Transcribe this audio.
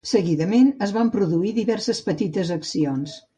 Seguidament, es van produir diverses petites accions.